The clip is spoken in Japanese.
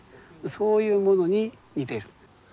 そういうものに似てる。